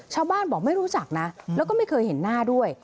ชาวบ้านบอกไม่รู้จักนะแล้วก็ไม่เคยเห็นหน้าด้วย